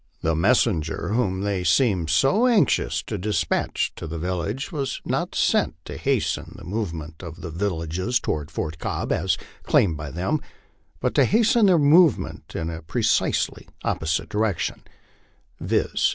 The messenger whom they seemed so anxious to despatch to the village was not sent to hasten the move ment of their villages toward Fort Cobb, as claimed by them, but to hasten their movement in a precisely opposite direction, viz.